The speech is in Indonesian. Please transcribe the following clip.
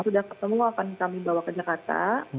sudah ketemu akan kami bawa ke jakarta